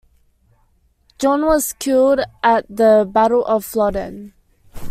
John was killed at the Battle of Flodden.